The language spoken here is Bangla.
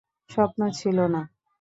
স্বপ্ন ছিল না।